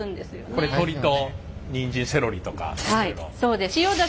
これ鶏とにんじんセロリとかそういうの？